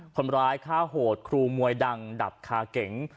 คนร้ายฆ่าโหดครูมวยดังดับคาเก๋ง